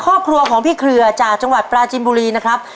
ครอบครัวของพี่เครือจากจังหวัดปราจินบุรีนะครับ